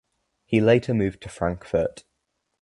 He later moved to Frankfurt.